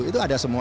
itu ada semua